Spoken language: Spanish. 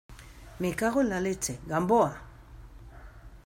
me cago en la leche... ¡ Gamboa!